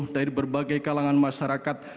dari berbagai kalangan masyarakat